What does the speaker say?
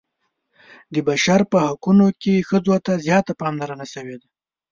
د بشر په حقونو کې ښځو ته زیاته پاملرنه شوې ده.